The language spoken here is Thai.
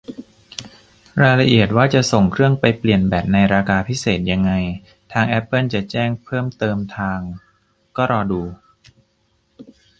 รายละเอียดว่าจะส่งเครื่องไปเปลี่ยนแบตในราคาพิเศษยังไง ทางแอปเปิลจะแจ้งเพิ่มเติมทาง ก็รอดู